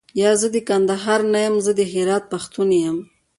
یا، زه د کندهار نه یم زه د هرات پښتون یم.